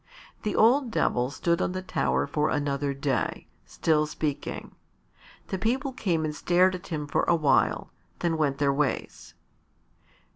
The old Devil stood on the tower for another day, still speaking. The people came and stared at him for a while; then went their ways.